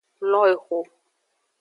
Lo exo.